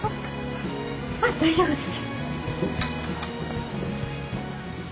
あっ大丈夫です。